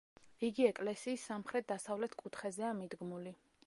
იგი ეკლესიის სამხრეთ-დასავლეთ კუთხეზეა მიდგმული.